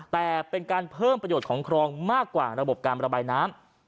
แต่เป็นการเพิ่มประโยชน์ของครองมากกว่าระบบการระบายน้ำ